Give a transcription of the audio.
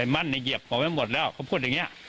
มันก็เยียบออกไว้หมดละเขาพูดอย่างเงี้ย